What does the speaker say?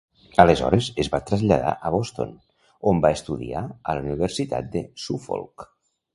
Aleshores es va traslladar a Boston, on va estudiar a la Universitat de Suffolk.